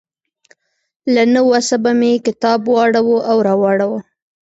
له نه وسه به مې کتاب واړاوه او راواړاوه.